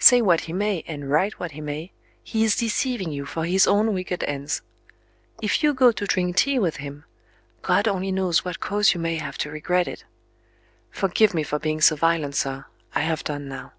Say what he may, and write what he may, he is deceiving you for his own wicked ends. If you go to drink tea with him, God only knows what cause you may have to regret it. Forgive me for being so violent, sir; I have done now.